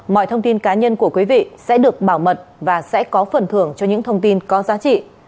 mọi thông tin cá nhân của quý vị sẽ được bảo mật và sẽ có phần thưởng cho những thông tin có giá trị